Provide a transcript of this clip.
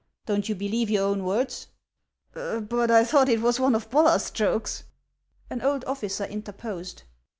" Don't you believe your own words ?"" But I thought it was one of Bollar's jokes." An old officer interposed.